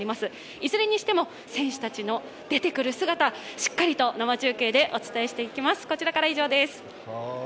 いずれにしても、選手たちの出てくる姿しっかりと生中継でお伝えしていきます。